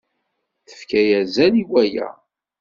Tefka azal i waya.